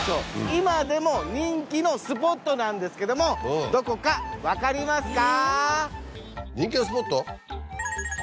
今でも人気のスポットなんですけどもどこか分かりますか？